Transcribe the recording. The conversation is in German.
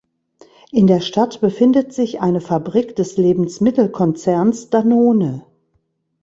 In der Stadt befindet sich eine Fabrik des Lebensmittelkonzerns Danone.